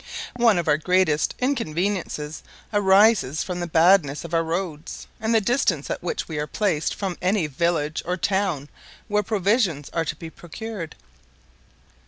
One of our greatest inconveniences arises from the badness of our roads, and the distance at which we are placed from any village or town where provisions are to be procured.